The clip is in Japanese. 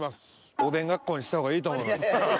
おでん学校にしたほうがいいと思います。